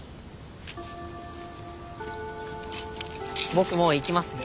僕もう行きますね。